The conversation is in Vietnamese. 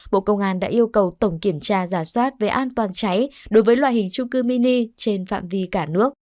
bộ công an đã yêu cầu tổng kiểm tra giả soát về an toàn cháy đối với loại hình trung cư mini trên phạm vi cả nước